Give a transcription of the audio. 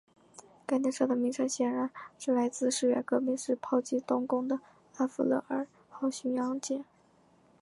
该列车的名称显然是来自十月革命时炮击冬宫的阿芙乐尔号巡洋舰。